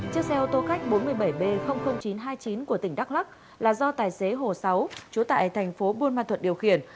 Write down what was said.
chiếc xe ô tô khách bốn mươi bảy b chín trăm hai mươi chín của tỉnh đắk lắc là do tài xế hồ sáu trú tại thành phố buôn ma thuật điều khiển